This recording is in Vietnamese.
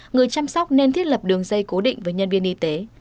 người chăm sóc nên thiết lập đường dây cố định với nhân viên y tế